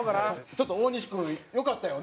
ちょっと大西君良かったよね？